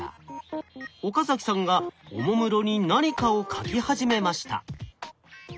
岡さんがおもむろに何かを書き始めました。